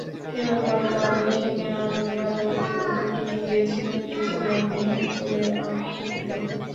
এবার পয়লা বৈশাখের আনন্দ ভাগাভাগি করতে তিনি গিয়েছিলেন নিজ গ্রাম মেহেরপুরের আমঝুপিতে।